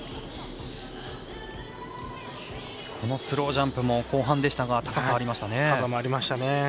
スロージャンプも後半でしたが高さありましたね。